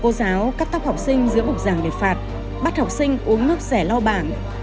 cô giáo cắt tóc học sinh giữa bục giảng để phạt bắt học sinh uống nước sẻ lo bảng